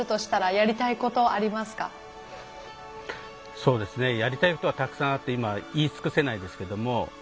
やりたいことはたくさんあって今言い尽くせないですけども。